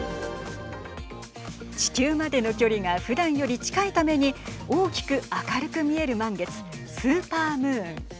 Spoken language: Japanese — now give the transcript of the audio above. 地球までの距離がふだんより近いために大きく明るく見える満月スーパームーン。